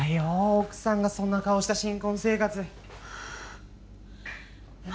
奥さんがそんな顔した新婚生活ま